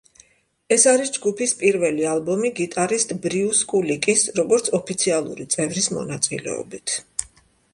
ეს არის ჯგუფის პირველი ალბომი გიტარისტ ბრიუს კულიკის, როგორც ოფიციალური წევრის მონაწილეობით.